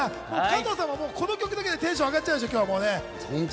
加藤さんはこの曲だけでテンション上がっちゃうでしょ。